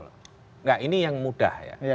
nah ini yang mudah ya